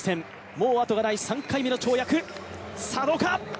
もうあとがない３回目の跳躍、どうか？